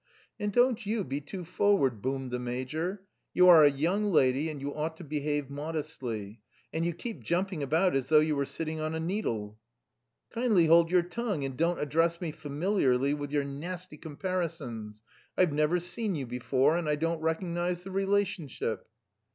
"And don't you be too forward," boomed the major. "You are a young lady and you ought to behave modestly, and you keep jumping about as though you were sitting on a needle." "Kindly hold your tongue and don't address me familiarly with your nasty comparisons. I've never seen you before and I don't recognise the relationship."